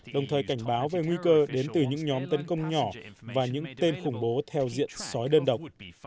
đồng thời cảnh báo về nguy cơ đến từ những nhóm tấn công nhỏ và những tên khủng bố theo diện sói đơn độc